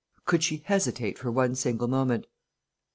"Could she hesitate for one single moment?"